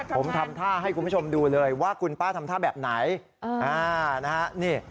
ผมทำท่าให้คุณผู้ชมดูเลยว่าคุณป้าทำท่าแบบไหน